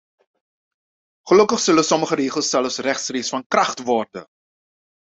Gelukkig zullen sommige regels zelfs rechtstreeks van kracht worden.